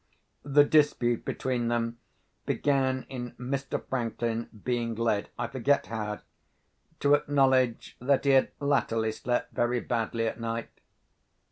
The dispute between them began in Mr. Franklin being led—I forget how—to acknowledge that he had latterly slept very badly at night.